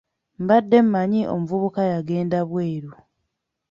Mbadde mmanyi omuvubuka yagende bweru.